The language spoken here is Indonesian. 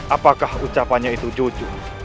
apakah ucapannya itu jujur